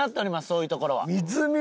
そういうところは。